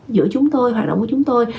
giữa chúng tôi hoạt động của chúng tôi